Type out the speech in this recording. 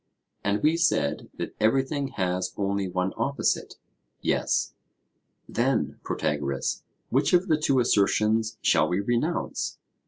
And we said that everything has only one opposite? Yes. Then, Protagoras, which of the two assertions shall we renounce?